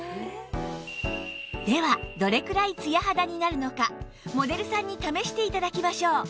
ではどれくらいツヤ肌になるのかモデルさんに試して頂きましょう